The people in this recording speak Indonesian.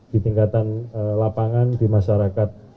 di tingkatan lapangan di masyarakat